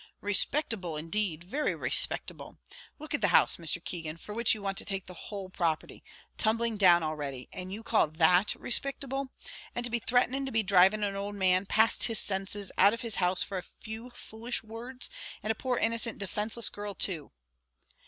"Respictable indeed! very respictable! Look at the house, Mr. Keegan, for which you want to take the whole property, tumbling down already; and you call that respictable! And to be threatening to be dhriving an owld man, past his senses, out of his house for a few foolish words; and a poor innocent defenceless girl too!"